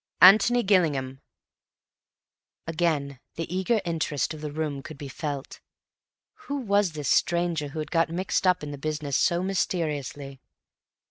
"Antony Gillingham!" Again the eager interest of the room could be felt. Who was this stranger who had got mixed up in the business so mysteriously?